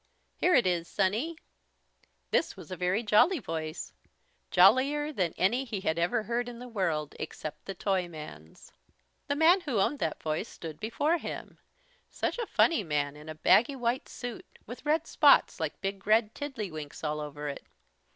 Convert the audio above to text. "Here it is, Sonny!" This was a very jolly voice, jollier than any he had ever heard in the world except the Toyman's. The man who owned that voice stood before him, such a funny man, in a baggy white suit, with red spots like big red tiddledy winks all over it.